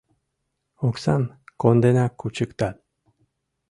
— Оксам конденак кучыктат.